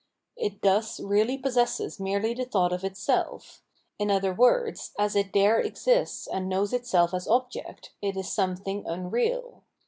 It thus really possesses merely the thought of itself; in other words, as it there exists and knows itself as object, it is something unreal.